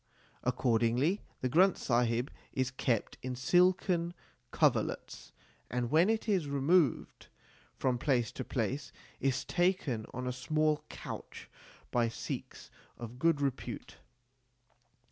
Accord ingly the Granth Sahib is kept in silken coverlets, and when it is removed from place to place is taken on a small couch by Sikhs of good repute.